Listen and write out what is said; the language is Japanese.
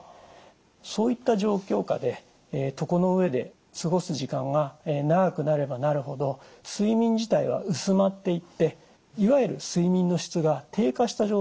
そういった状況下で床の上で過ごす時間が長くなればなるほど睡眠自体は薄まっていっていわゆる睡眠の質が低下した状態になりやすいんです。